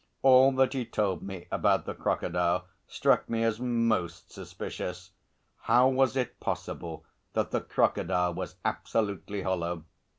All that he told me about the crocodile struck me as most suspicious. How was it possible that the crocodile was absolutely hollow?